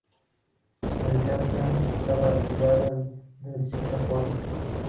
Desde hace años estaba retirada del cine porno.